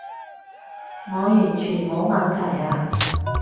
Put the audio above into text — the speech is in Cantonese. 我完全冇問題啊